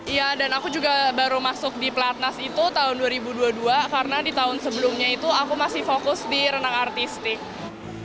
iya dan aku juga baru masuk di platnas itu tahun dua ribu dua puluh dua karena di tahun sebelumnya itu aku masih fokus di renang artistik